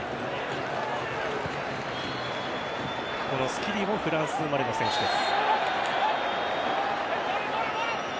スキリもフランス生まれの選手です。